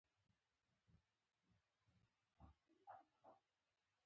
ښکاري تیز قدمونه اخلي.